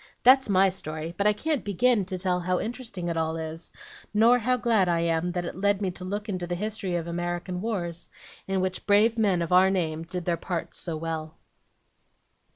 That's MY story, but I can't begin to tell how interesting it all is, nor how glad I am that it led me to look into the history of American wars, in which brave men of our name did their parts so well."